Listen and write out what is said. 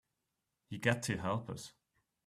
You got to help us.